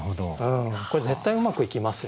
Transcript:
これ絶対うまくいきますよね。